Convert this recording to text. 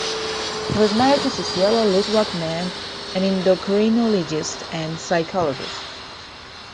He was married to Cecelia Lutwak-Mann, an endocrinologist and physiologist.